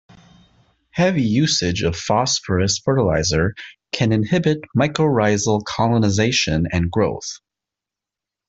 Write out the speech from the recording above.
Heavy usage of phosphorus fertilizer can inhibit mycorrhizal colonization and growth.